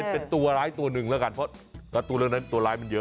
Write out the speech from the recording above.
เป็นตัวร้ายตัวหนึ่งแล้วกันเพราะการ์ตูเรื่องนั้นตัวร้ายมันเยอะ